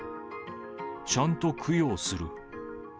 ちゃんと供養する。